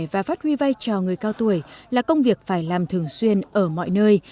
và phát huy vai trò người cao tuổi là công việc phải làm thường xuyên ở mọi nơi